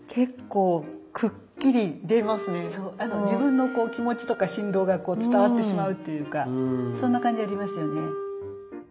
自分の気持ちとか振動がこう伝わってしまうっていうかそんな感じありますよね。